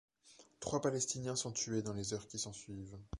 Trois Palestiniens sont tués dans les heurts qui s'ensuivent.